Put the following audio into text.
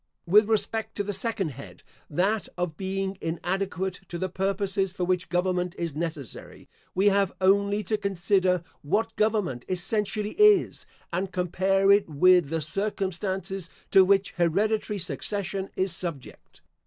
With respect to the second head, that of being inadequate to the purposes for which government is necessary, we have only to consider what government essentially is, and compare it with the circumstances to which hereditary succession is subject.